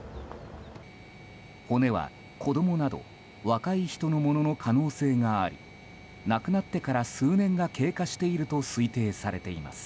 骨は子供など若い人のものの可能性があり亡くなってから数年が経過していると推定されています。